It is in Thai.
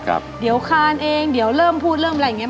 ครับเดี๋ยวคานเองเดี๋ยวเริ่มพูดเริ่มอะไรอย่างเงี้